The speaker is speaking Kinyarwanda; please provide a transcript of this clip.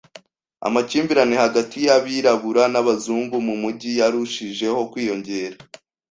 Amakimbirane hagati y'abirabura n'abazungu mu mujyi yarushijeho kwiyongera.